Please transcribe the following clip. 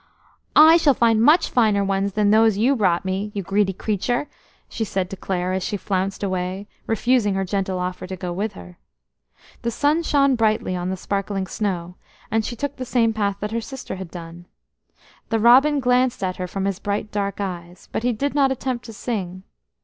"I shall find much finer ones than those you brought me, you greedy creature!" she said to Clare as she flounced away, refusing her gentle offer to go with her. The sun shone brightly on the sparkling snow, and she took the same path that her sister had done. The robin glanced at her from his bright dark eyes, but he did not attempt to sing.